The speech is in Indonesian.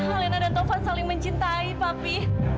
alena dan tovan saling mencintai papi